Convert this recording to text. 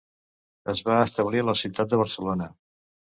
Es va establir a la ciutat de Barcelona.